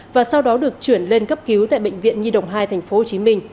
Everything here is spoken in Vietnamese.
và sau đó được chuyển lên cấp cứu tại bệnh viện nhi đồng hai tp hcm